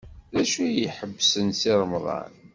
D acu ay iḥebsen Si Remḍan?